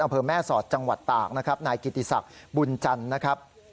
อำเภอแม่สอดจังหวัดตากนะครับนายกิติศักดิ์บุญจันทร์นะครับ